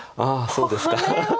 そうですか。